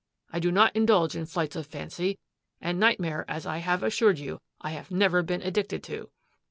I do not indulge in flights of fancy, and nightmare, as I have assured you, I have never been addicted to."